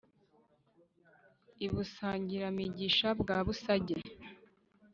i busangira-migisha bwa busage